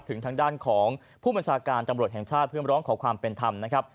ถึงทางด้านของผู้บัญชาการตำรวจแห่งชาติเพื่อร้องขอความเป็นธรรมนะครับ